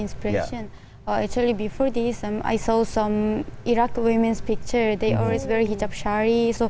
inspirasi dari hijab sebelum ini saya melihat beberapa gambar wanita iraq yang selalu memakai hijab shari